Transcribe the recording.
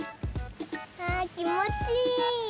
あきもちいい。